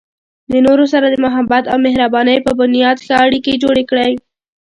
د نورو سره د محبت او مهربانۍ په بنیاد ښه اړیکې جوړې کړئ.